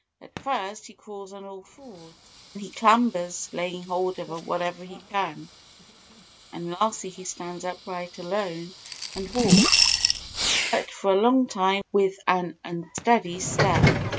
At first he crawls on all fours, then he clambers, laying hold of whatever he can; and lastly he stands upright alone and walks, but for a long time with an unsteady step.